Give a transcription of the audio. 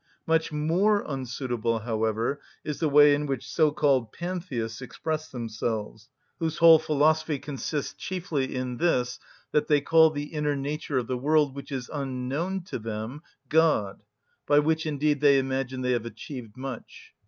Much more unsuitable, however, is the way in which so‐called pantheists express themselves, whose whole philosophy consists chiefly in this, that they call the inner nature of the world, which is unknown to them, "God;" by which indeed they imagine they have achieved much.